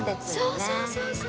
そうそうそうそう！